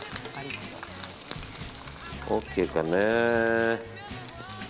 ＯＫかね。